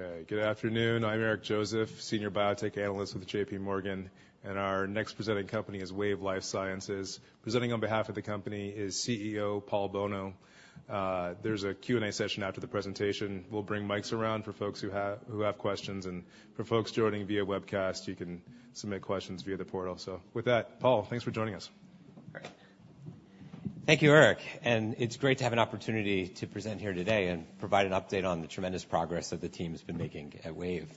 Okay, good afternoon. I'm Eric Joseph, Senior Biotech Analyst with J.P. Morgan, and our next presenting company is Wave Life Sciences. Presenting on behalf of the company is CEO, Paul Bolno. There's a Q&A session after the presentation. We'll bring mics around for folks who have questions, and for folks joining via webcast, you can submit questions via the portal. So with that, Paul, thanks for joining us. Thank you, Eric, and it's great to have an opportunity to present here today and provide an update on the tremendous progress that the team has been making at Wave.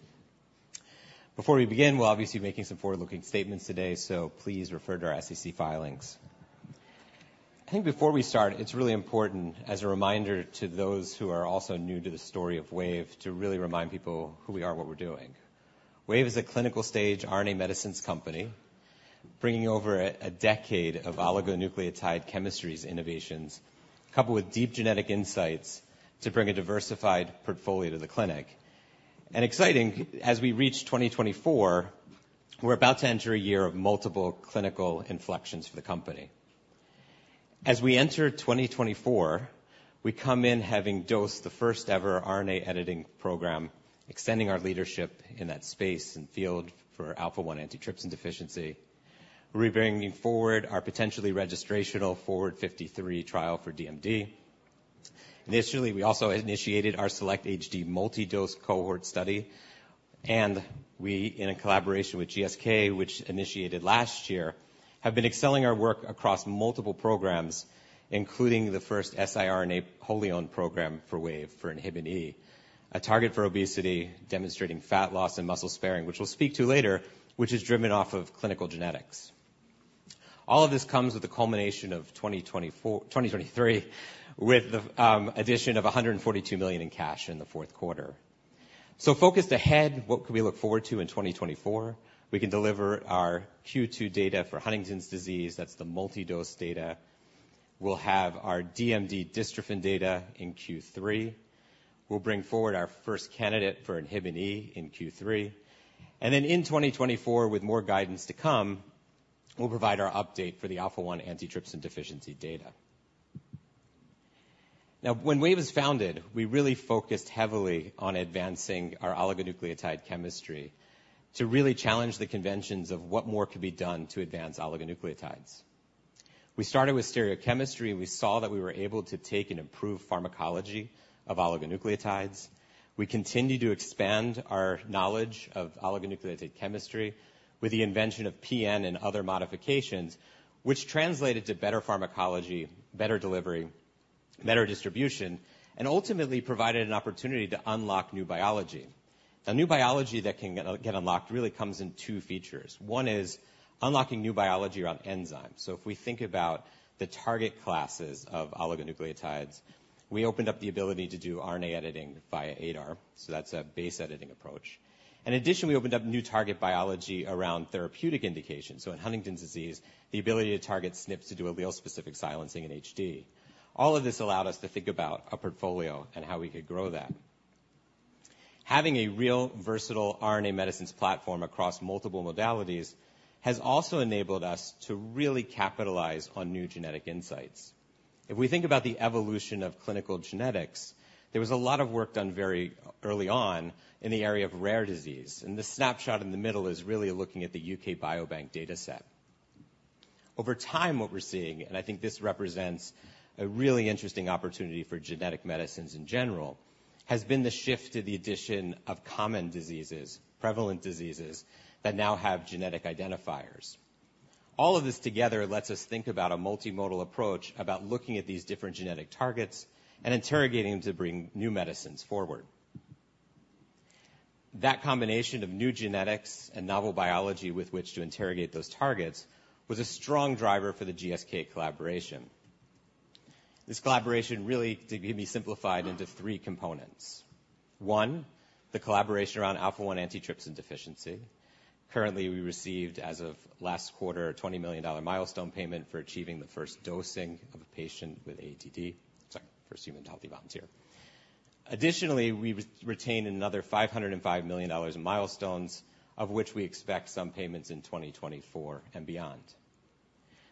Before we begin, we're obviously making some forward-looking statements today, so please refer to our SEC filings. I think before we start, it's really important as a reminder to those who are also new to the story of Wave, to really remind people who we are and what we're doing. Wave is a clinical-stage RNA medicines company, bringing over a decade of oligonucleotide chemistries innovations, coupled with deep genetic insights to bring a diversified portfolio to the clinic. Exciting, as we reach 2024, we're about to enter a year of multiple clinical inflections for the company. As we enter 2024, we come in having dosed the first ever RNA editing program, extending our leadership in that space and field for alpha-1 antitrypsin deficiency. We're bringing forward our potentially registrational FORWARD-53 trial for DMD. Initially, we also initiated our SELECT-HD multi-dose cohort study, and we, in a collaboration with GSK, which initiated last year, have been excelling our work across multiple programs, including the first siRNA GalNAc program for Wave for Inhibin βE, a target for obesity, demonstrating fat loss and muscle sparing, which we'll speak to later, which is driven off of clinical genetics. All of this comes with the culmination of 2023, with the addition of $142 million in cash in the fourth quarter. So focused ahead, what could we look forward to in 2024? We can deliver our Q2 data for Huntington's disease. That's the multi-dose data. We'll have our DMD dystrophin data in Q3. We'll bring forward our first candidate for Inhibin E in Q3, and then in 2024, with more guidance to come, we'll provide our update for the alpha-1 antitrypsin deficiency data. Now, when Wave was founded, we really focused heavily on advancing our oligonucleotide chemistry to really challenge the conventions of what more could be done to advance oligonucleotides. We started with stereochemistry, and we saw that we were able to take and improve pharmacology of oligonucleotides. We continued to expand our knowledge of oligonucleotide chemistry with the invention of PN and other modifications, which translated to better pharmacology, better delivery, better distribution, and ultimately provided an opportunity to unlock new biology. A new biology that can get unlocked really comes in two features. One is unlocking new biology around enzymes. So if we think about the target classes of oligonucleotides, we opened up the ability to do RNA editing via ADAR, so that's a base editing approach. In addition, we opened up new target biology around therapeutic indications. So in Huntington's disease, the ability to target SNPs to do allele-specific silencing in HD. All of this allowed us to think about a portfolio and how we could grow that. Having a real versatile RNA medicines platform across multiple modalities has also enabled us to really capitalize on new genetic insights. If we think about the evolution of clinical genetics, there was a lot of work done very early on in the area of rare disease, and the snapshot in the middle is really looking at the UK Biobank dataset. Over time, what we're seeing, and I think this represents a really interesting opportunity for genetic medicines in general, has been the shift to the addition of common diseases, prevalent diseases, that now have genetic identifiers. All of this together lets us think about a multimodal approach, about looking at these different genetic targets and interrogating them to bring new medicines forward. That combination of new genetics and novel biology with which to interrogate those targets, was a strong driver for the GSK collaboration. This collaboration really can be simplified into three components. One, the collaboration around alpha-1 antitrypsin deficiency. Currently, we received, as of last quarter, a $20 million milestone payment for achieving the first dosing of a patient with AATD, sorry, first human healthy volunteer. Additionally, we retained another $505 million in milestones, of which we expect some payments in 2024 and beyond.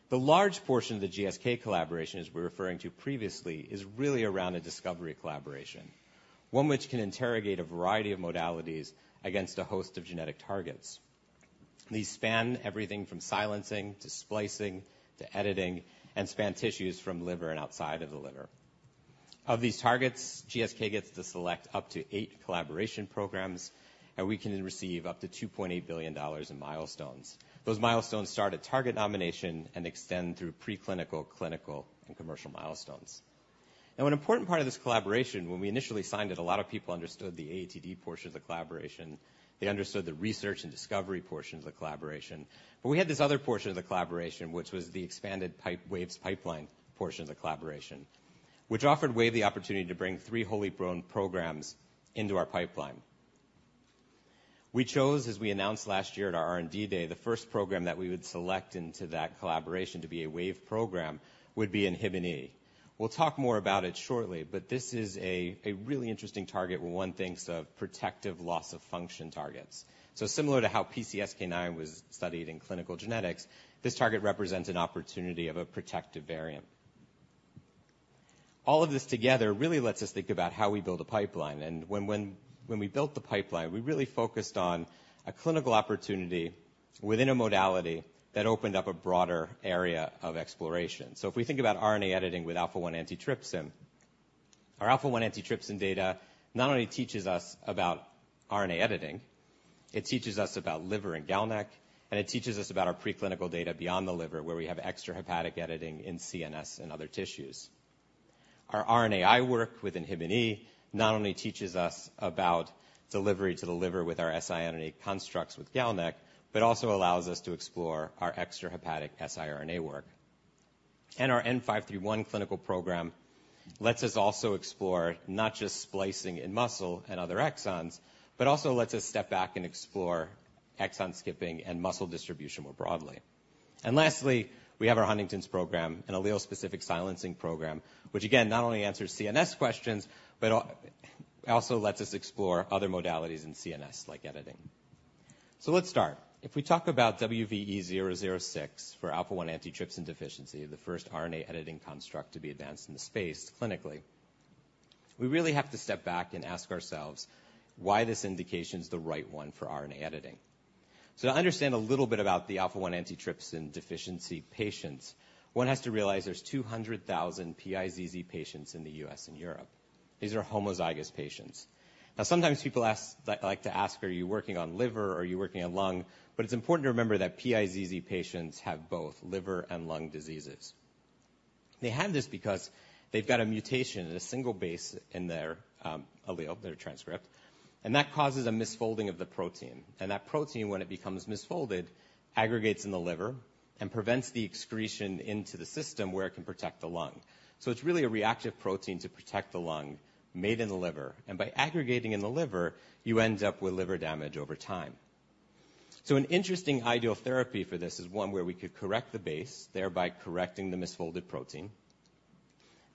The large portion of the GSK collaboration, as we were referring to previously, is really around a discovery collaboration, one which can interrogate a variety of modalities against a host of genetic targets. These span everything from silencing to splicing to editing, and span tissues from liver and outside of the liver. Of these targets, GSK gets to select up to eight collaboration programs, and we can receive up to $2.8 billion in milestones. Those milestones start at target nomination and extend through preclinical, clinical, and commercial milestones. Now, an important part of this collaboration, when we initially signed it, a lot of people understood the AATD portion of the collaboration. They understood the research and discovery portions of the collaboration, but we had this other portion of the collaboration, which was the expanded pipeline, Wave's pipeline portion of the collaboration, which offered Wave the opportunity to bring three wholly-owned programs into our pipeline. We chose, as we announced last year at our R&D Day, the first program that we would select into that collaboration to be a Wave program would be Inhibin E. We'll talk more about it shortly, but this is a really interesting target when one thinks of protective loss-of-function targets. So similar to how PCSK9 was studied in clinical genetics, this target represents an opportunity of a protective variant. All of this together really lets us think about how we build a pipeline. And when we built the pipeline, we really focused on a clinical opportunity within a modality that opened up a broader area of exploration. So if we think about RNA editing with alpha-1 antitrypsin, our alpha-1 antitrypsin data not only teaches us about RNA editing, it teaches us about liver and GalNAc, and it teaches us about our preclinical data beyond the liver, where we have extrahepatic editing in CNS and other tissues. Our RNAi work with inhibin E not only teaches us about delivery to the liver with our siRNA constructs with GalNAc, but also allows us to explore our extrahepatic siRNA work. And our N-531 clinical program lets us also explore not just splicing in muscle and other exons, but also lets us step back and explore exon skipping and muscle distribution more broadly. And lastly, we have our Huntington's program, an allele-specific silencing program, which again, not only answers CNS questions, but also lets us explore other modalities in CNS like editing. So let's start. If we talk about WVE-006 for alpha-1 antitrypsin deficiency, the first RNA editing construct to be advanced in the space clinically, we really have to step back and ask ourselves why this indication is the right one for RNA editing. So to understand a little bit about the alpha-1 antitrypsin deficiency patients, one has to realize there's 200,000 PIZZ patients in the U.S. and Europe. These are homozygous patients. Now, sometimes people ask, like to ask, "Are you working on liver? Are you working on lung?" But it's important to remember that PIZZ patients have both liver and lung diseases. They have this because they've got a mutation in a single base in their allele, their transcript, and that causes a misfolding of the protein. That protein, when it becomes misfolded, aggregates in the liver and prevents the excretion into the system where it can protect the lung. It's really a reactive protein to protect the lung made in the liver, and by aggregating in the liver, you end up with liver damage over time. An interesting ideal therapy for this is one where we could correct the base, thereby correcting the misfolded protein.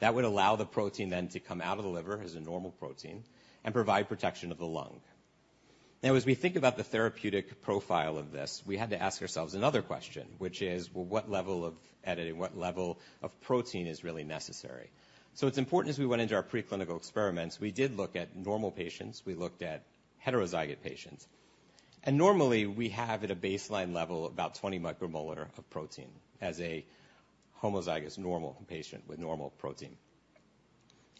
That would allow the protein then to come out of the liver as a normal protein and provide protection of the lung. Now, as we think about the therapeutic profile of this, we had to ask ourselves another question, which is: Well, what level of editing, what level of protein is really necessary? So it's important as we went into our preclinical experiments, we did look at normal patients, we looked at heterozygote patients. Normally, we have at a baseline level about 20 micromolar of protein as a homozygous normal patient with normal protein.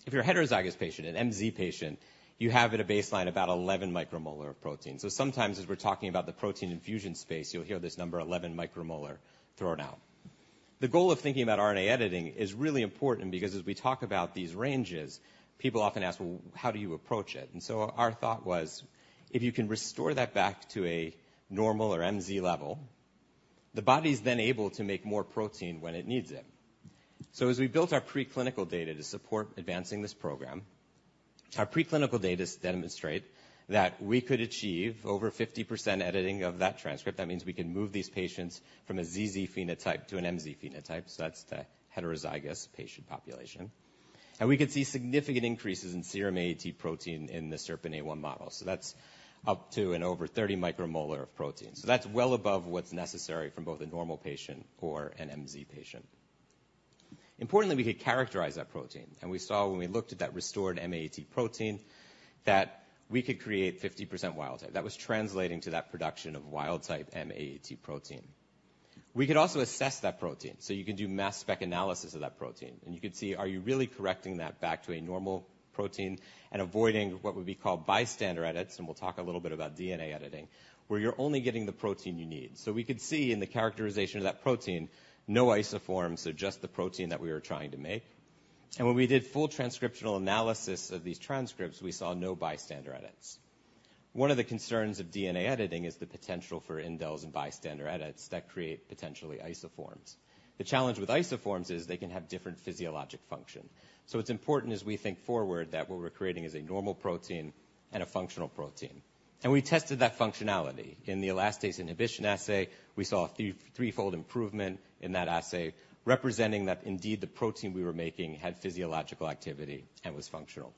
If you're a heterozygous patient, an MZ patient, you have at a baseline about 11 micromolar of protein. Sometimes as we're talking about the protein infusion space, you'll hear this number 11 micromolar thrown out. The goal of thinking about RNA editing is really important because as we talk about these ranges, people often ask, "Well, how do you approach it?" And so our thought was, if you can restore that back to a normal or MZ level, the body's then able to make more protein when it needs it. So as we built our preclinical data to support advancing this program, our preclinical data demonstrate that we could achieve over 50% editing of that transcript. That means we can move these patients from a ZZ phenotype to an MZ phenotype, so that's the heterozygous patient population. And we could see significant increases in serum AAT protein in the SERPINA1 model. So that's up to and over 30 micromolar of protein. So that's well above what's necessary from both a normal patient or an MZ patient. Importantly, we could characterize that protein, and we saw when we looked at that restored M-AAT protein, that we could create 50% wild-type. That was translating to that production of wild-type M-AAT protein. We could also assess that protein, so you can do mass spec analysis of that protein, and you could see, are you really correcting that back to a normal protein and avoiding what would be called bystander edits? And we'll talk a little bit about DNA editing, where you're only getting the protein you need. So we could see in the characterization of that protein, no isoforms, so just the protein that we were trying to make. And when we did full transcriptional analysis of these transcripts, we saw no bystander edits. One of the concerns of DNA editing is the potential for indels and bystander edits that create potentially isoforms. The challenge with isoforms is they can have different physiologic function. So it's important as we think forward, that what we're creating is a normal protein and a functional protein. We tested that functionality. In the elastase inhibition assay, we saw a threefold improvement in that assay, representing that indeed, the protein we were making had physiological activity and was functional.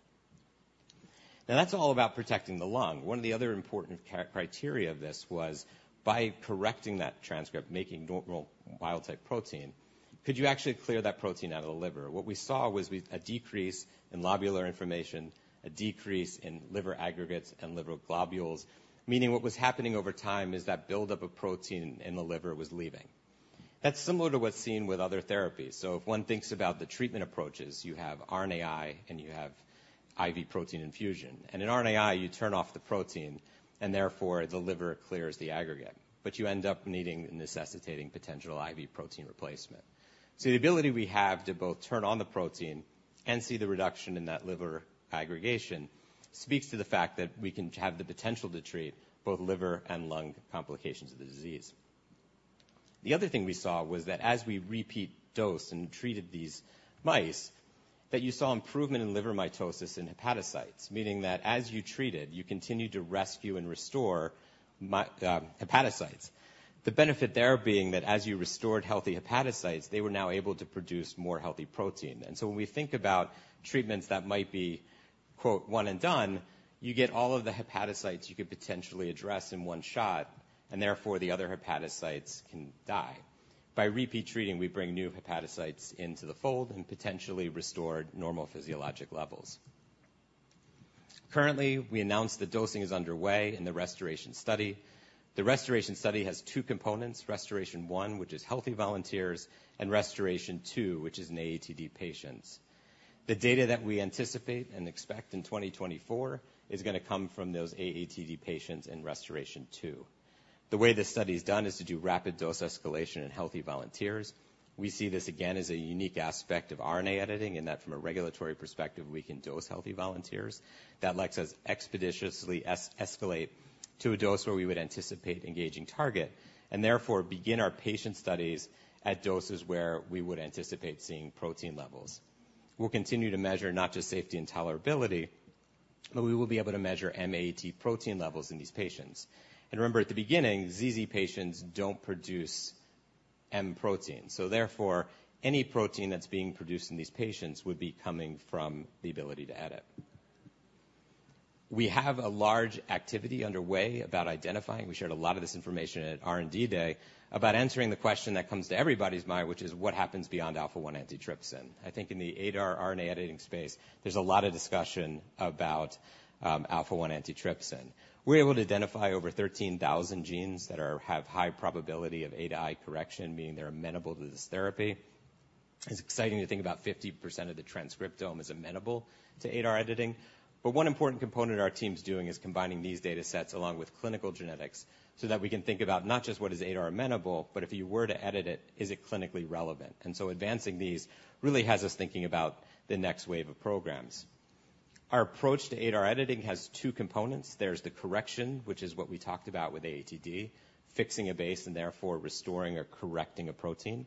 Now, that's all about protecting the lung. One of the other important criteria of this was by correcting that transcript, making normal wild-type protein, could you actually clear that protein out of the liver? What we saw was a decrease in lobular inflammation, a decrease in liver aggregates and liver globules, meaning what was happening over time is that buildup of protein in the liver was leaving. That's similar to what's seen with other therapies. So if one thinks about the treatment approaches, you have RNAi and you have IV protein infusion, and in RNAi, you turn off the protein, and therefore, the liver clears the aggregate, but you end up needing and necessitating potential IV protein replacement. So the ability we have to both turn on the protein and see the reduction in that liver aggregation speaks to the fact that we can have the potential to treat both liver and lung complications of the disease. The other thing we saw was that as we repeat dose and treated these mice, that you saw improvement in liver mitosis in hepatocytes, meaning that as you treated, you continued to rescue and restore my hepatocytes. The benefit there being that as you restored healthy hepatocytes, they were now able to produce more healthy protein. And so when we think about-... treatments that might be, quote, one and done, you get all of the hepatocytes you could potentially address in one shot, and therefore, the other hepatocytes can die. By repeat treating, we bring new hepatocytes into the fold and potentially restore normal physiologic levels. Currently, we announced the dosing is underway in the RestorAATion study. The RestorAATion study has two components: RestorAATion-1, which is healthy volunteers, and RestorAATion-2, which is in AATD patients. The data that we anticipate and expect in 2024 is going to come from those AATD patients in RestorAATion-2. The way this study is done is to do rapid dose escalation in healthy volunteers. We see this again as a unique aspect of RNA editing, and that from a regulatory perspective, we can dose healthy volunteers. That lets us expeditiously escalate to a dose where we would anticipate engaging target, and therefore begin our patient studies at doses where we would anticipate seeing protein levels. We'll continue to measure not just safety and tolerability, but we will be able to measure M-AAT protein levels in these patients. And remember, at the beginning, ZZ patients don't produce M-AAT protein, so therefore, any protein that's being produced in these patients would be coming from the ability to edit. We have a large activity underway about identifying, we shared a lot of this information at R&D Day, about answering the question that comes to everybody's mind, which is what happens beyond alpha-1 antitrypsin? I think in the ADAR RNA editing space, there's a lot of discussion about alpha-1 antitrypsin. We're able to identify over 13,000 genes that have high probability of ADAR correction, meaning they're amenable to this therapy. It's exciting to think about 50% of the transcriptome is amenable to ADAR editing. But one important component our team's doing is combining these data sets along with clinical genetics, so that we can think about not just what is ADAR amenable, but if you were to edit it, is it clinically relevant? And so advancing these really has us thinking about the next wave of programs. Our approach to ADAR editing has two components. There's the correction, which is what we talked about with AATD, fixing a base and therefore restoring or correcting a protein.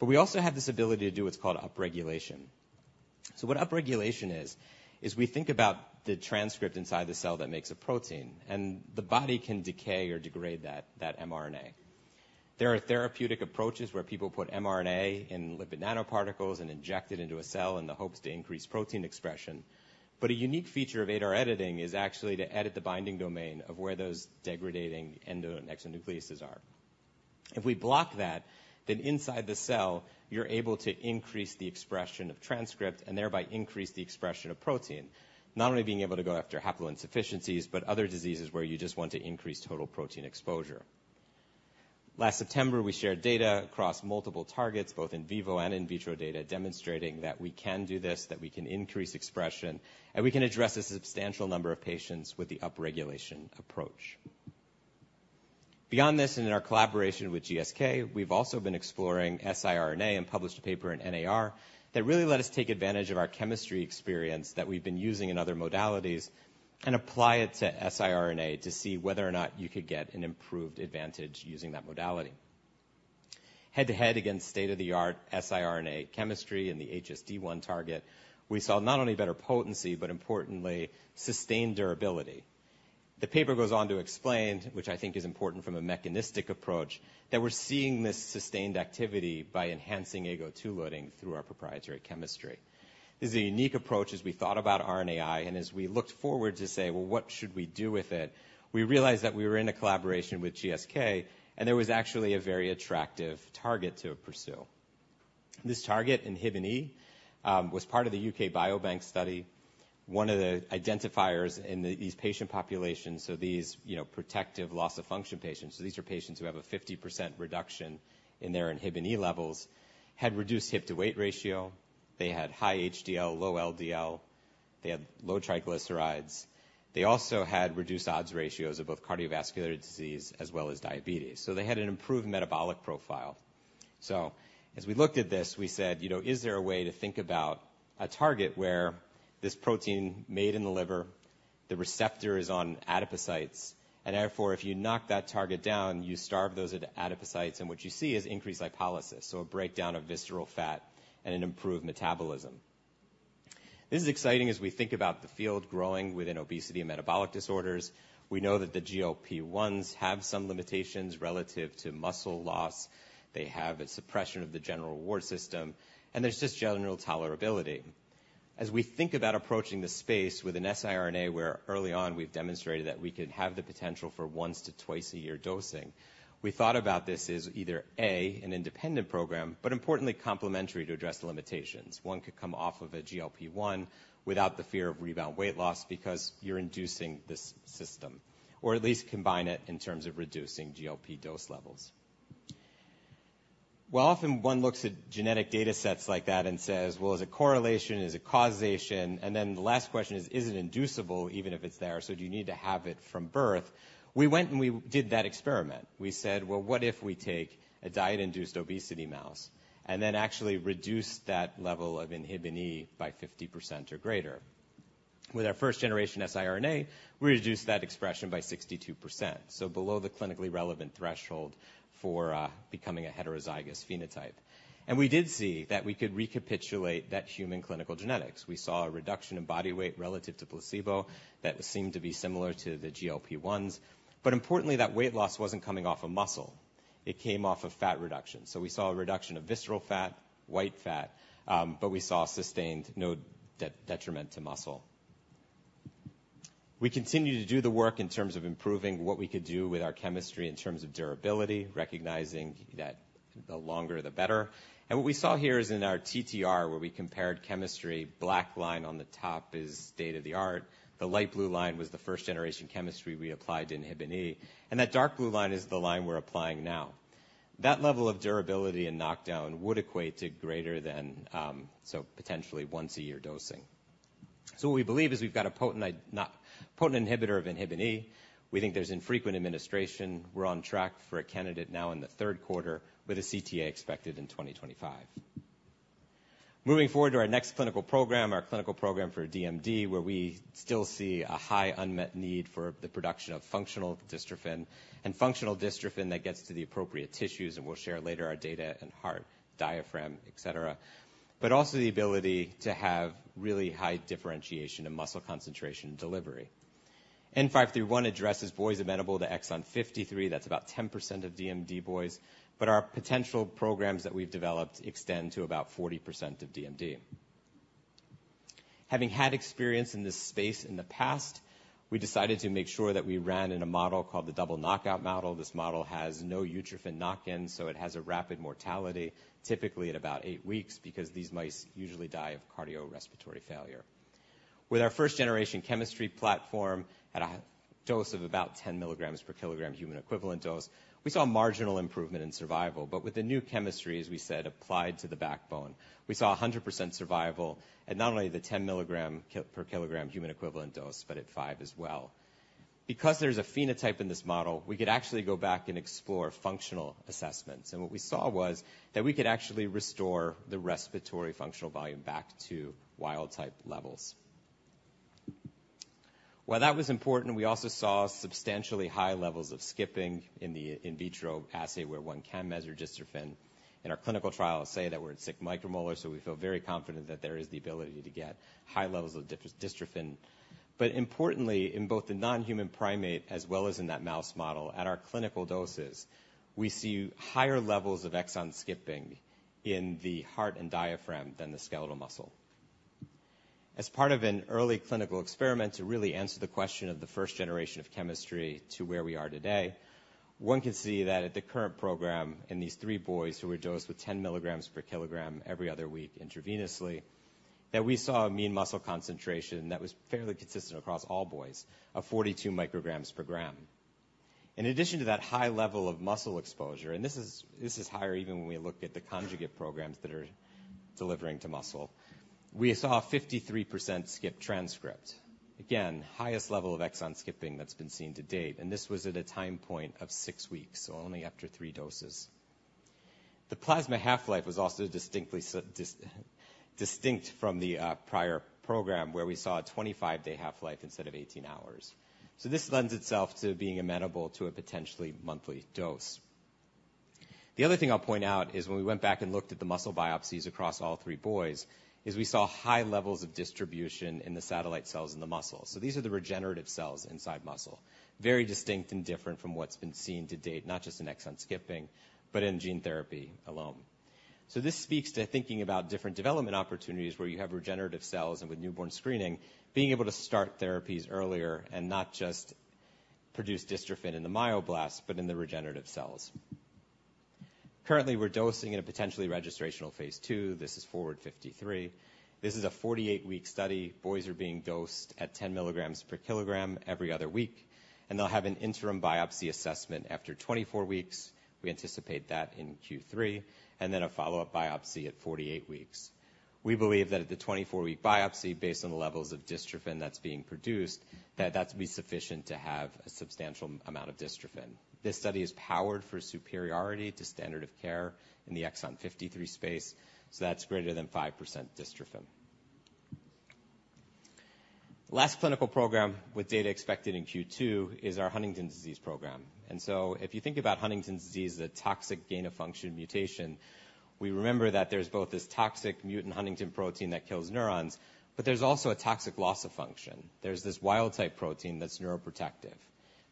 But we also have this ability to do what's called upregulation. So what upregulation is, is we think about the transcript inside the cell that makes a protein, and the body can decay or degrade that, that mRNA. There are therapeutic approaches where people put mRNA in lipid nanoparticles and inject it into a cell in the hopes to increase protein expression. But a unique feature of ADAR editing is actually to edit the binding domain of where those degrading endo and exonucleases are. If we block that, then inside the cell, you're able to increase the expression of transcript and thereby increase the expression of protein, not only being able to go after haploinsufficiencies, but other diseases where you just want to increase total protein exposure. Last September, we shared data across multiple targets, both in vivo and in vitro data, demonstrating that we can do this, that we can increase expression, and we can address a substantial number of patients with the upregulation approach. Beyond this, and in our collaboration with GSK, we've also been exploring siRNA and published a paper in NAR that really let us take advantage of our chemistry experience that we've been using in other modalities and apply it to siRNA to see whether or not you could get an improved advantage using that modality. Head-to-head against state-of-the-art siRNA chemistry in the HSD1 target, we saw not only better potency, but importantly, sustained durability. The paper goes on to explain, which I think is important from a mechanistic approach, that we're seeing this sustained activity by enhancing AGO2 loading through our proprietary chemistry. This is a unique approach as we thought about RNAi, and as we looked forward to say, "Well, what should we do with it?" We realized that we were in a collaboration with GSK, and there was actually a very attractive target to pursue. This target, inhibin E, was part of the UK Biobank study, one of the identifiers in the, these patient populations, so these, you know, protective loss of function patients. So these are patients who have a 50% reduction in their inhibin E levels, had reduced hip-to-weight ratio, they had high HDL, low LDL, they had low triglycerides. They also had reduced odds ratios of both cardiovascular disease as well as diabetes. So they had an improved metabolic profile. So as we looked at this, we said, you know, is there a way to think about a target where this protein made in the liver, the receptor is on adipocytes, and therefore, if you knock that target down, you starve those adipocytes, and what you see is increased lipolysis, so a breakdown of visceral fat and an improved metabolism. This is exciting as we think about the field growing within obesity and metabolic disorders. We know that the GLP-1s have some limitations relative to muscle loss. They have a suppression of the general reward system, and there's just general tolerability. As we think about approaching this space with an siRNA, where early on we've demonstrated that we could have the potential for once to twice a year dosing, we thought about this as either A, an independent program, but importantly, complementary to address the limitations. One could come off of a GLP-1 without the fear of rebound weight loss because you're inducing this system, or at least combine it in terms of reducing GLP dose levels. Well, often one looks at genetic data sets like that and says, "Well, is it correlation? Is it causation?" And then the last question is: Is it inducible even if it's there? So do you need to have it from birth? We went, and we did that experiment. We said, "Well, what if we take a diet-induced obesity mouse and then actually reduce that level of inhibin E by 50% or greater?" With our first generation siRNA, we reduced that expression by 62%, so below the clinically relevant threshold for becoming a heterozygous phenotype. And we did see that we could recapitulate that human clinical genetics. We saw a reduction in body weight relative to placebo that seemed to be similar to the GLP-1s. But importantly, that weight loss wasn't coming off of muscle. It came off of fat reduction. So we saw a reduction of visceral fat, white fat, but we saw sustained no detriment to muscle. We continued to do the work in terms of improving what we could do with our chemistry in terms of durability, recognizing that the longer, the better. And what we saw here is in our TTR, where we compared chemistry, black line on the top is state-of-the-art. The light blue line was the first generation chemistry we applied in Inhibin E, and that dark blue line is the line we're applying now. That level of durability and knockdown would equate to greater than, so potentially once a year dosing. So what we believe is we've got a potent inhibitor of Inhibin E. We think there's infrequent administration. We're on track for a candidate now in the third quarter with a CTA expected in 2025. Moving forward to our next clinical program, our clinical program for DMD, where we still see a high unmet need for the production of functional dystrophin and functional dystrophin that gets to the appropriate tissues, and we'll share later our data in heart, diaphragm, et cetera, but also the ability to have really high differentiation and muscle concentration delivery. N-531 addresses boys amenable to exon 53. That's about 10% of DMD boys, but our potential programs that we've developed extend to about 40% of DMD. Having had experience in this space in the past, we decided to make sure that we ran in a model called the double knockout model. This model has no utrophin knockin, so it has a rapid mortality, typically at about eight weeks, because these mice usually die of cardiorespiratory failure. With our first generation chemistry platform, at a dose of about 10 mg per kg human equivalent dose, we saw a marginal improvement in survival. But with the new chemistry, as we said, applied to the backbone, we saw 100% survival at not only the 10 mg per kg human equivalent dose, but at five as well. Because there's a phenotype in this model, we could actually go back and explore functional assessments, and what we saw was that we could actually restore the respiratory functional volume back to wild-type levels. While that was important, we also saw substantially high levels of skipping in the in vitro assay, where one can measure dystrophin. In our clinical trial, say that we're at 6 micromolar, so we feel very confident that there is the ability to get high levels of dystrophin. But importantly, in both the non-human primate as well as in that mouse model, at our clinical doses, we see higher levels of exon skipping in the heart and diaphragm than the skeletal muscle. As part of an early clinical experiment to really answer the question of the first generation of chemistry to where we are today, one can see that at the current program, in these three boys who were dosed with 10 mg per kg every other week intravenously, that we saw a mean muscle concentration that was fairly consistent across all boys, of 42 micrograms per gram. In addition to that high level of muscle exposure, and this is higher even when we look at the conjugate programs that are delivering to muscle, we saw a 53% skip transcript. Again, highest level of exon skipping that's been seen to date, and this was at a time point of six weeks, so only after three doses. The plasma half-life was also distinctly distinct from the prior program, where we saw a 25-day half-life instead of 18 hours. So this lends itself to being amenable to a potentially monthly dose. The other thing I'll point out is when we went back and looked at the muscle biopsies across all three boys, is we saw high levels of distribution in the satellite cells in the muscle. So these are the regenerative cells inside muscle. Very distinct and different from what's been seen to date, not just in exon skipping, but in gene therapy alone. So this speaks to thinking about different development opportunities where you have regenerative cells and with newborn screening, being able to start therapies earlier and not just produce dystrophin in the myoblasts, but in the regenerative cells. Currently, we're dosing in a potentially registrational phase II. This is FORWARD-53. This is a 48-week study. Boys are being dosed at 10 mg per kg every other week, and they'll have an interim biopsy assessment after 24 weeks. We anticipate that in Q3, and then a follow-up biopsy at 48 weeks. We believe that at the 24-week biopsy, based on the levels of dystrophin that's being produced, that that'll be sufficient to have a substantial amount of dystrophin. This study is powered for superiority to standard of care in the exon 53 space, so that's greater than 5% dystrophin. Last clinical program with data expected in Q2 is our Huntington's disease program. And so if you think about Huntington's disease, the toxic gain-of-function mutation, we remember that there's both this toxic mutant Huntingtin protein that kills neurons, but there's also a toxic loss of function. There's this wild-type protein that's neuroprotective.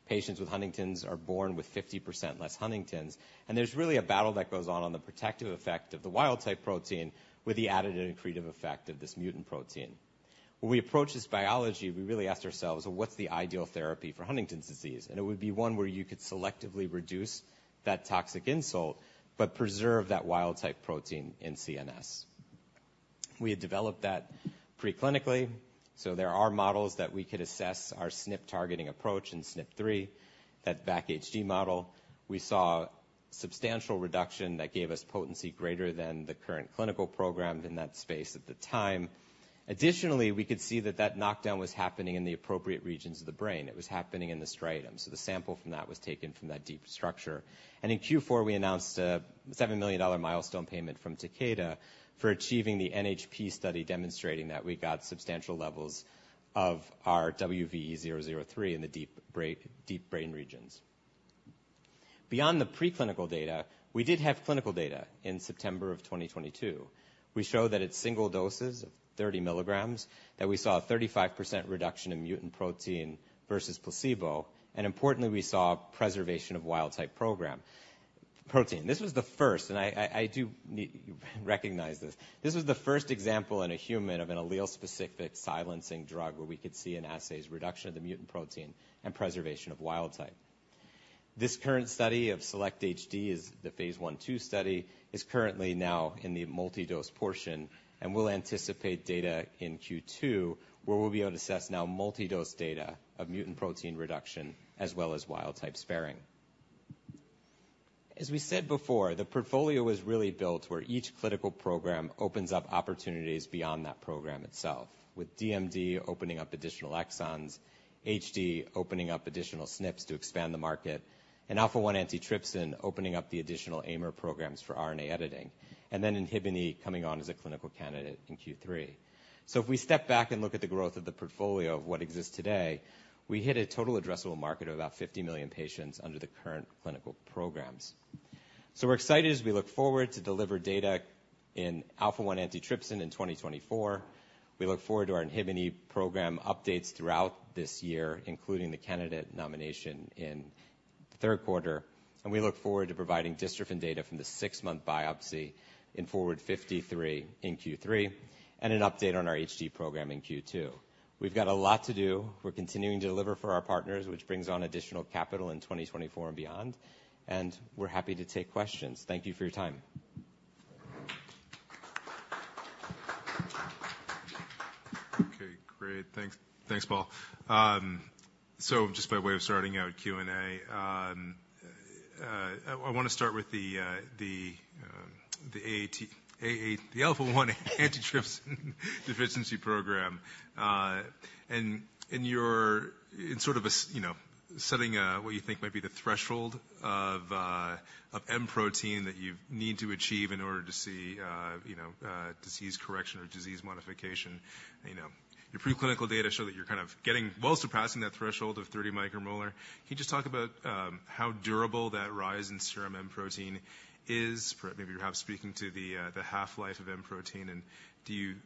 Patients with Huntington's are born with 50% less Huntingtin, and there's really a battle that goes on on the protective effect of the wild-type protein with the added and creative effect of this mutant protein. When we approach this biology, we really asked ourselves, "What's the ideal therapy for Huntington's disease?" And it would be one where you could selectively reduce that toxic insult but preserve that wild-type protein in CNS. We had developed that preclinically, so there are models that we could assess our SNP targeting approach in SNP 3, that BAC-HD model. We saw substantial reduction that gave us potency greater than the current clinical program in that space at the time. Additionally, we could see that that knockdown was happening in the appropriate regions of the brain. It was happening in the striatum, so the sample from that was taken from that deep structure. And in Q4, we announced a $7 million milestone payment from Takeda for achieving the NHP study, demonstrating that we got substantial levels of our WVE-003 in the deep brain, deep brain regions. Beyond the preclinical data... We did have clinical data in September 2022. We show that at single doses of 30 mg, that we saw a 35% reduction in mutant protein versus placebo, and importantly, we saw preservation of wild-type protein. This was the first, and I do need you to recognize this. This was the first example in a human of an allele-specific silencing drug, where we could see an allele-specific reduction of the mutant protein and preservation of wild-type. This current study of SELECT-HD is the phase I/II study, is currently now in the multi-dose portion, and we'll anticipate data in Q2, where we'll be able to assess now multi-dose data of mutant protein reduction, as well as wild-type sparing. As we said before, the portfolio was really built where each clinical program opens up opportunities beyond that program itself, with DMD opening up additional exons, HD opening up additional SNPs to expand the market, and Alpha-1 Antitrypsin opening up the additional AIMer programs for RNA editing, and then INHBE coming on as a clinical candidate in Q3. So if we step back and look at the growth of the portfolio of what exists today, we hit a total addressable market of about 50 million patients under the current clinical programs. So we're excited as we look forward to deliver data in Alpha-1 Antitrypsin in 2024. We look forward to our INHBE program updates throughout this year, including the candidate nomination in the third quarter, and we look forward to providing dystrophin data from the six-month biopsy in FORWARD-53 in Q3, and an update on our HD program in Q2. We've got a lot to do. We're continuing to deliver for our partners, which brings on additional capital in 2024 and beyond, and we're happy to take questions. Thank you for your time. Okay, great. Thanks. Thanks, Paul. So just by way of starting out Q&A, I want to start with the AAT, the Alpha-1 Antitrypsin Deficiency Program, and you're in sort of a setting, you know, what you think might be the threshold of M protein that you need to achieve in order to see, you know, disease correction or disease modification. You know, your preclinical data show that you're kind of getting well surpassing that threshold of 30 micromolar. Can you just talk about how durable that rise in serum M protein is? Perhaps you're speaking to the half-life of M protein, and do you,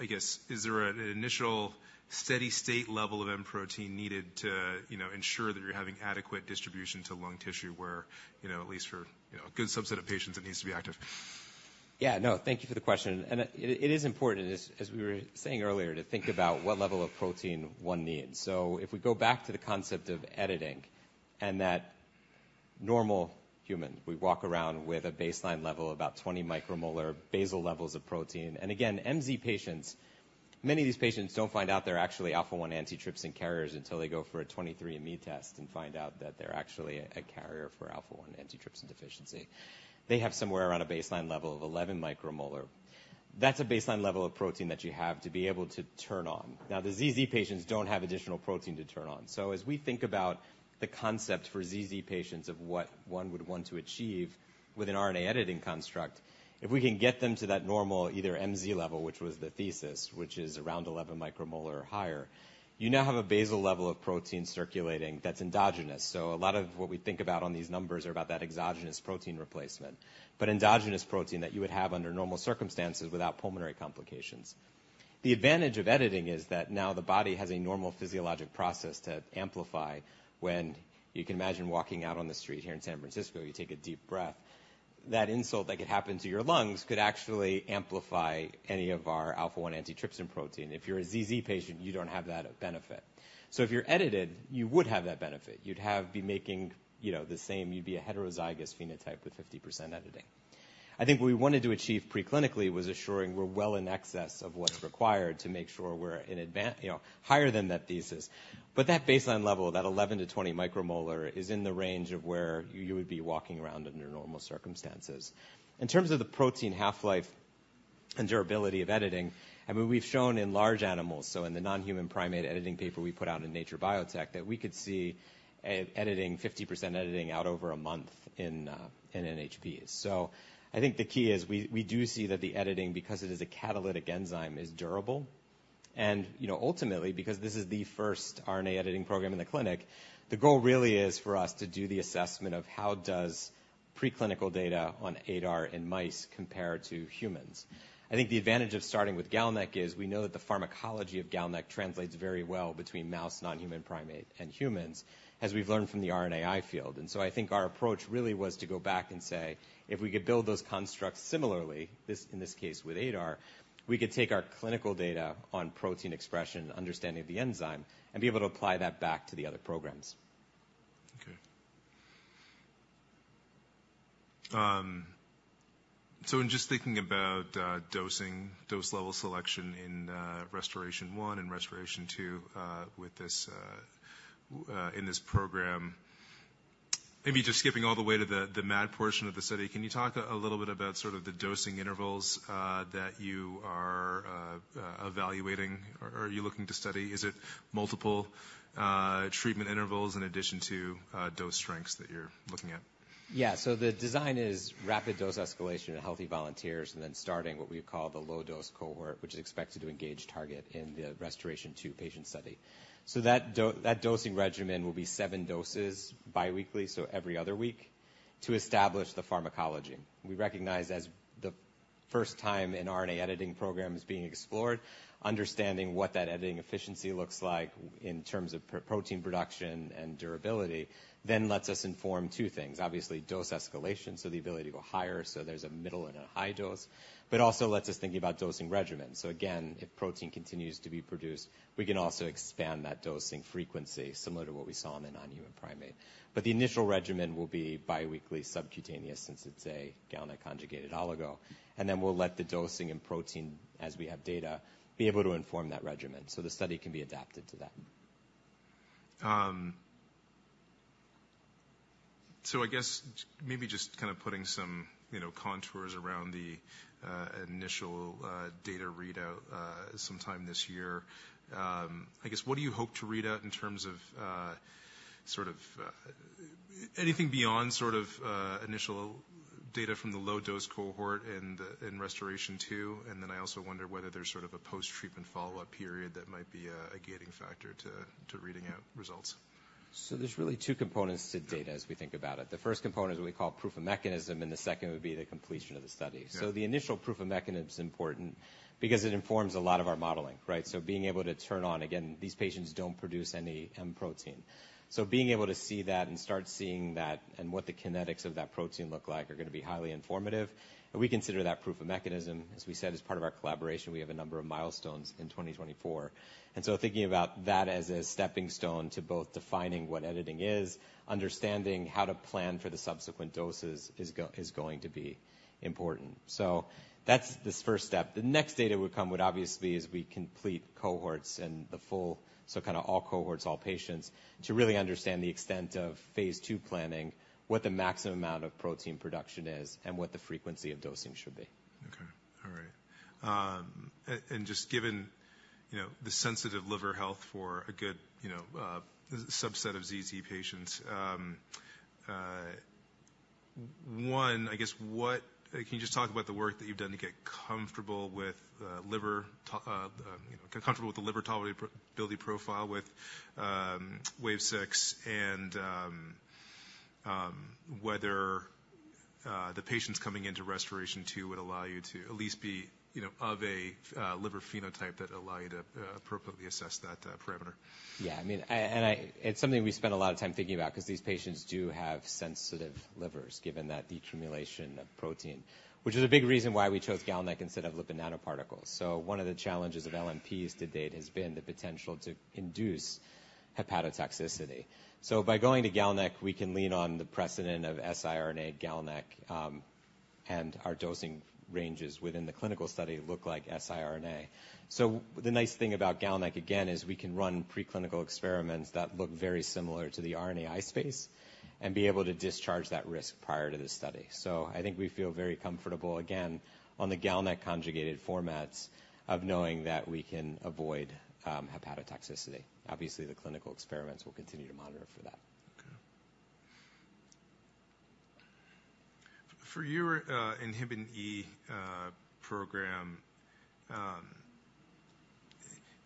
I guess, is there an initial steady-state level of M protein needed to, you know, ensure that you're having adequate distribution to lung tissue where, you know, at least for, you know, a good subset of patients, it needs to be active? Yeah, no, thank you for the question. And it is important as we were saying earlier, to think about what level of protein one needs. So if we go back to the concept of editing and that normal humans, we walk around with a baseline level of about 20 micromolar basal levels of protein. And again, MZ patients, many of these patients don't find out they're actually Alpha-1 Antitrypsin carriers until they go for a 23andMe test and find out that they're actually a carrier for Alpha-1 Antitrypsin Deficiency. They have somewhere around a baseline level of 11 micromolar. That's a baseline level of protein that you have to be able to turn on. Now, the ZZ patients don't have additional protein to turn on. So as we think about the concept for ZZ patients of what one would want to achieve with an RNA editing construct, if we can get them to that normal, either MZ level, which was the thesis, which is around 11 micromolar or higher, you now have a basal level of protein circulating that's endogenous. So a lot of what we think about on these numbers are about that exogenous protein replacement, but endogenous protein that you would have under normal circumstances without pulmonary complications. The advantage of editing is that now the body has a normal physiologic process to amplify when... You can imagine walking out on the street here in San Francisco, you take a deep breath, that insult that could happen to your lungs could actually amplify any of our Alpha-1 Antitrypsin protein. If you're a ZZ patient, you don't have that benefit. So if you're edited, you would have that benefit. You'd have be making, you know, the same. You'd be a heterozygous phenotype with 50% editing. I think what we wanted to achieve preclinically was assuring we're well in excess of what's required to make sure we're in advan you know, higher than that thesis. But that baseline level, that 11-20 micromolar, is in the range of where you would be walking around under normal circumstances. In terms of the protein half-life and durability of editing, I mean, we've shown in large animals, so in the non-human primate editing paper we put out in Nature Biotech, that we could see editing, 50% editing out over a month in NHPs. So I think the key is we do see that the editing, because it is a catalytic enzyme, is durable. You know, ultimately, because this is the first RNA editing program in the clinic, the goal really is for us to do the assessment of how does preclinical data on ADAR in mice compare to humans. I think the advantage of starting with GalNAc is we know that the pharmacology of GalNAc translates very well between mouse, non-human primate, and humans, as we've learned from the RNAi field. And so I think our approach really was to go back and say: If we could build those constructs similarly, this, in this case, with ADAR, we could take our clinical data on protein expression, understanding of the enzyme, and be able to apply that back to the other programs. Okay. So in just thinking about dosing, dose level selection in RestorAATion-1 and RestorAATion-2 with this in this program, maybe just skipping all the way to the MAD portion of the study, can you talk a little bit about sort of the dosing intervals that you are evaluating or are you looking to study? Is it multiple treatment intervals in addition to dose strengths that you're looking at? Yeah. So the design is rapid dose escalation in healthy volunteers, and then starting what we call the low-dose cohort, which is expected to engage target in the RestorAATion-2 patient study. So that dosing regimen will be seven doses biweekly, so every other week to establish the pharmacology. We recognize as the first time an RNA editing program is being explored, understanding what that editing efficiency looks like in terms of protein production and durability, then lets us inform two things: obviously, dose escalation, so the ability to go higher, so there's a middle and a high dose, but also lets us think about dosing regimens. So again, if protein continues to be produced, we can also expand that dosing frequency, similar to what we saw in the non-human primate. But the initial regimen will be biweekly subcutaneous since it's a GalNAc conjugated oligo, and then we'll let the dosing and protein, as we have data, be able to inform that regimen, so the study can be adapted to that. So I guess maybe just kind of putting some, you know, contours around the initial data readout sometime this year. I guess, what do you hope to read out in terms of sort of... anything beyond sort of initial data from the low-dose cohort in RestorAATion-2? And then I also wonder whether there's sort of a post-treatment follow-up period that might be a gating factor to reading out results. There's really two components to data- Yeah. As we think about it. The first component is what we call proof of mechanism, and the second would be the completion of the study. Yeah. So the initial proof of mechanism is important because it informs a lot of our modeling, right? So being able to turn on... Again, these patients don't produce any M protein. So being able to see that and start seeing that and what the kinetics of that protein look like are gonna be highly informative, and we consider that proof of mechanism. As we said, as part of our collaboration, we have a number of milestones in 2024. And so thinking about that as a stepping stone to both defining what editing is, understanding how to plan for the subsequent doses is going to be important. So that's this first step. The next data would come, would obviously, as we complete cohorts and the full, so kinda all cohorts, all patients, to really understand the extent of phase II planning, what the maximum amount of protein production is, and what the frequency of dosing should be. Okay. All right. And just given, you know, the sensitive liver health for a good, you know, subset of ZZ patients, one, I guess, what-- Can you just talk about the work that you've done to get comfortable with liver to-, you know, get comfortable with the liver tolerability profile with WVE-006 and whether the patients coming into RestorAATion-2 would allow you to at least be, you know, of a liver phenotype that allow you to appropriately assess that parameter? Yeah, I mean, it's something we spent a lot of time thinking about 'cause these patients do have sensitive livers, given that the accumulation of protein, which is a big reason why we chose GalNAc instead of lipid nanoparticles. So one of the challenges of LNPs to date has been the potential to induce hepatotoxicity. So by going to GalNAc, we can lean on the precedent of siRNA GalNAc, and our dosing ranges within the clinical study look like siRNA. So the nice thing about GalNAc, again, is we can run preclinical experiments that look very similar to the RNAi space and be able to discharge that risk prior to the study. So I think we feel very comfortable, again, on the GalNAc conjugated formats of knowing that we can avoid hepatotoxicity. Obviously, the clinical experiments will continue to monitor for that. Okay. For your inhibin E program,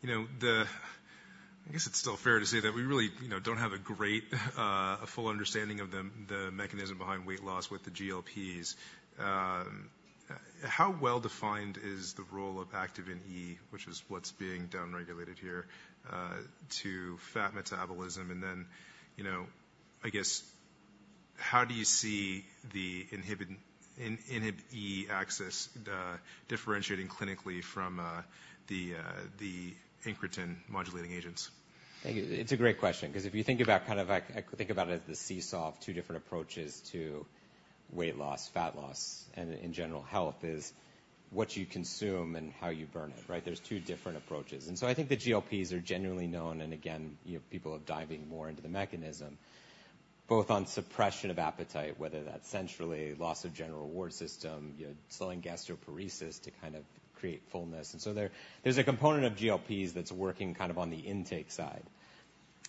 you know, I guess it's still fair to say that we really, you know, don't have a great a full understanding of the mechanism behind weight loss with the GLPs. How well-defined is the role of activin E, which is what's being downregulated here, to fat metabolism? And then, you know, I guess, how do you see the inhibin E axis differentiating clinically from the incretin modulating agents? Thank you. It's a great question 'cause if you think about kind of like... I think about it as the seesaw of two different approaches to weight loss, fat loss, and in general, health, is what you consume and how you burn it, right? There's two different approaches. And so I think the GLPs are generally known, and again, you know, people are diving more into the mechanism, both on suppression of appetite, whether that's centrally, loss of general reward system, you know, slowing gastroparesis to kind of create fullness. And so there, there's a component of GLPs that's working kind of on the intake side.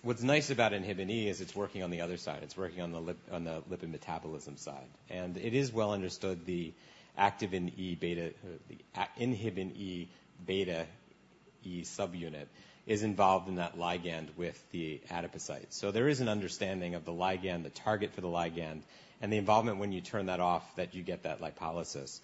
What's nice about inhibin E is it's working on the other side. It's working on the lipid metabolism side, and it is well understood, the activin E beta, the inhibin βE subunit is involved in that ligand with the adipocyte. So there is an understanding of the ligand, the target for the ligand, and the involvement when you turn that off, that you get that lipolysis.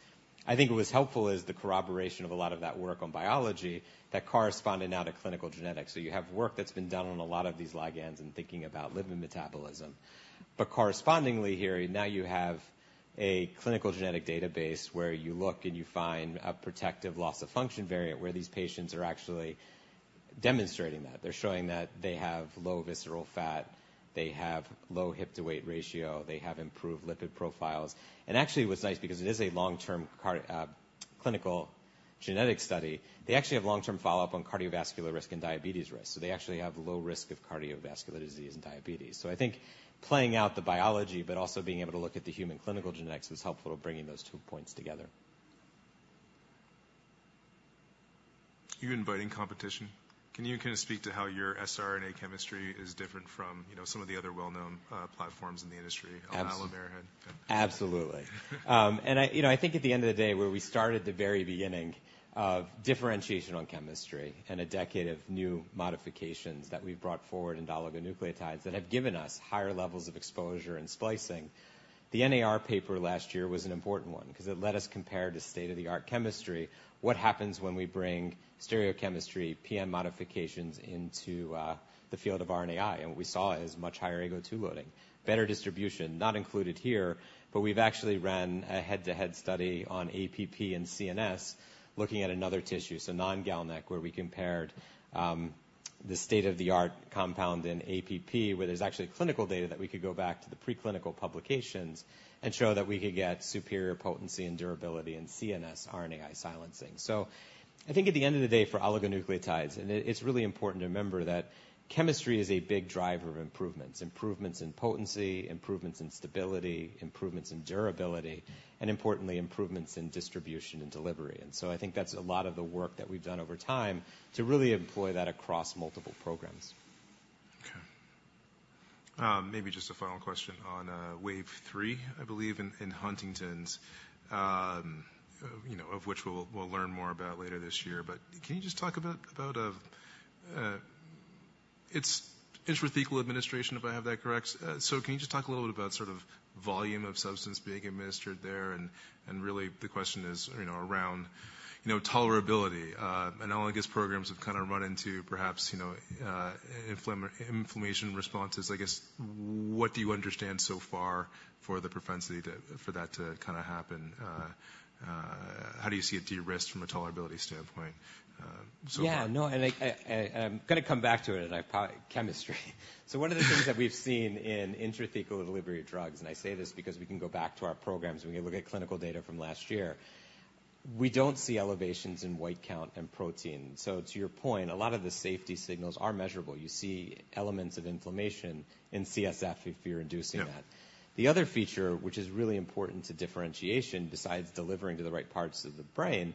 I think what was helpful is the corroboration of a lot of that work on biology that corresponded now to clinical genetics. So you have work that's been done on a lot of these ligands and thinking about lipid metabolism. But correspondingly here, now you have a clinical genetic database where you look, and you find a protective loss-of-function variant, where these patients are actually demonstrating that. They're showing that they have low visceral fat, they have low hip-to-weight ratio, they have improved lipid profiles. Actually, what's nice, because it is a long-term clinical genetic study, they actually have long-term follow-up on cardiovascular risk and diabetes risk. So they actually have low risk of cardiovascular disease and diabetes. So I think playing out the biology but also being able to look at the human clinical genetics is helpful to bringing those two points together. You're inviting competition? Can you kinda speak to how your siRNA chemistry is different from, you know, some of the other well-known platforms in the industry- Absolutely. Arrowhead? Absolutely. And I, you know, I think at the end of the day, where we started at the very beginning of differentiation on chemistry and a decade of new modifications that we've brought forward in oligonucleotides that have given us higher levels of exposure and splicing. The NAR paper last year was an important one because it let us compare the state-of-the-art chemistry. What happens when we bring stereochemistry PM modifications into the field of RNAi? And what we saw is much higher AGO2 loading, better distribution, not included here, but we've actually ran a head-to-head study on APP and CNS, looking at another tissue, so non-GalNAc, where we compared the state-of-the-art compound in APP, where there's actually clinical data that we could go back to the preclinical publications and show that we could get superior potency and durability in CNS RNAi silencing. So I think at the end of the day, for oligonucleotides, it's really important to remember that chemistry is a big driver of improvements, improvements in potency, improvements in stability, improvements in durability, and importantly, improvements in distribution and delivery. And so I think that's a lot of the work that we've done over time to really employ that across multiple programs. Okay. Maybe just a final question on WVE-003, I believe, in Huntington's, you know, of which we'll learn more about later this year. But can you just talk about... It's intrathecal administration, if I have that correct. So can you just talk a little bit about sort of volume of substance being administered there? And really the question is, you know, around tolerability. Analogous programs have kind of run into perhaps inflammation responses. I guess, what do you understand so far for the propensity for that to kinda happen? How do you see it de-risked from a tolerability standpoint, so far? Yeah, no, I'm gonna come back to it, and I probably... Chemistry. So one of the things that we've seen in intrathecal delivery of drugs, and I say this because we can go back to our programs, and we can look at clinical data from last year. We don't see elevations in white count and protein. So to your point, a lot of the safety signals are measurable. You see elements of inflammation in CSF if you're inducing that. Yeah. The other feature, which is really important to differentiation, besides delivering to the right parts of the brain,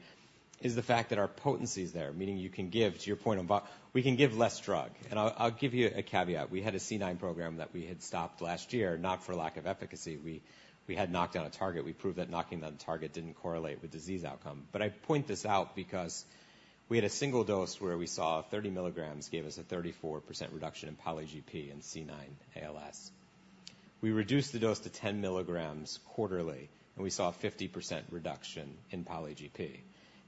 is the fact that our potency is there, meaning you can give, to your point about... We can give less drug, and I'll, I'll give you a caveat. We had a C9 program that we had stopped last year, not for lack of efficacy. We, we had knocked down a target. We proved that knocking down the target didn't correlate with disease outcome. But I point this out because we had a single dose where we saw 30 mg gave us a 34% reduction in polyGP in C9 ALS. We reduced the dose to 10 mg quarterly, and we saw a 50% reduction in polyGP.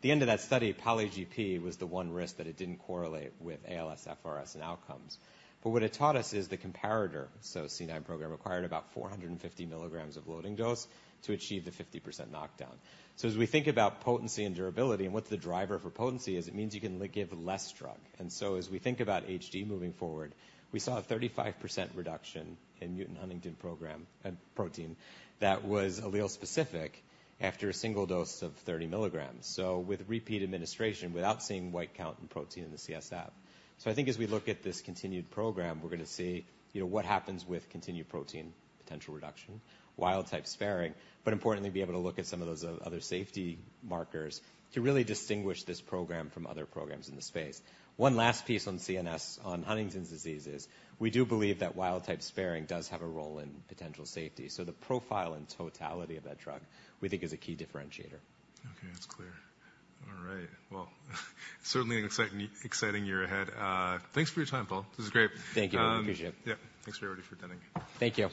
The end of that study, polyGP was the one risk that it didn't correlate with ALSFRS, and outcomes. But what it taught us is the comparator. So C9 program required about 450 mg of loading dose to achieve the 50% knockdown. So as we think about potency and durability and what the driver for potency is, it means you can give less drug. And so as we think about HD moving forward, we saw a 35% reduction in mutant huntingtin protein, that was allele-specific after a single dose of 30 mg. So with repeat administration, without seeing white count and protein in the CSF. So I think as we look at this continued program, we're gonna see, you know, what happens with continued protein potential reduction, wild-type sparing, but importantly, be able to look at some of those other safety markers to really distinguish this program from other programs in the space. One last piece on CNS, on Huntington's disease, is, we do believe that wild-type sparing does have a role in potential safety. So the profile and totality of that drug, we think, is a key differentiator. Okay, that's clear. All right. Well, certainly an exciting, exciting year ahead. Thanks for your time, Paul. This is great. Thank you. I appreciate it. Yeah. Thanks, everybody, for attending. Thank you.